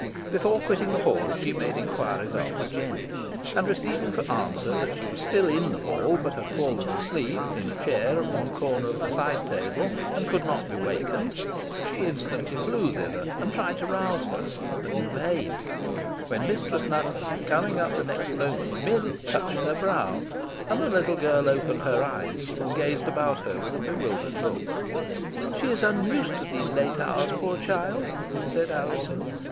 Before quitting the hall she made inquiries after Jennet, and receiving for answer that she was still in the hall, but had fallen asleep in a chair at one corner of the side table, and could not be wakened, she instantly flew thither and tried to rouse her, but in vain; when Mistress Nutter, coming up the next moment, merely touched her brow, and the little girl opened her eyes and gazed about her with a bewildered look. "She is unused to these late hours, poor child," said Alizon.